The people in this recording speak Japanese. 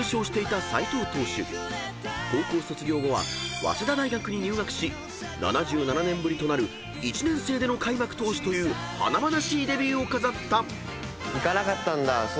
［高校卒業後は早稲田大学に入学し７７年ぶりとなる１年生での開幕投手という華々しいデビューを飾った］